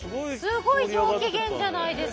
すごい上機嫌じゃないですか。